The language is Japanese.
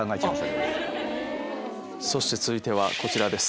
そして続いてはこちらです。